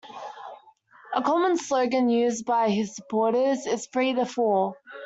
A common slogan used by his supporters is Free The Four.